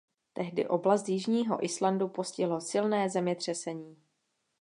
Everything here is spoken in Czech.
Tehdy oblast jižního Islandu postihlo silné zemětřesení.